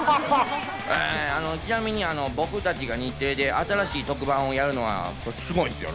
ちなみに僕たちが日テレで新しい特番をやるのは、すごいすよ。